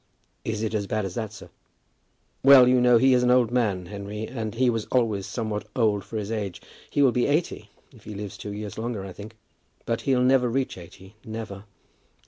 "Is it so bad as that, sir?" "Well, you know, he is an old man, Henry; and he was always somewhat old for his age. He will be eighty, if he lives two years longer, I think. But he'll never reach eighty; never.